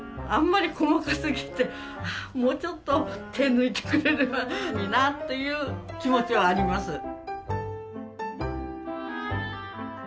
あんまり細かすぎてもうちょっと手抜いてくれればいいなっていう気持ちはあります。